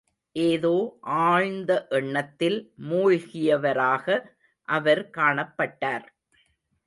ஏதோ ஆழ்ந்த எண்ணத்தில் மூழ்கியவராக அவர் காணப்பட்டார்.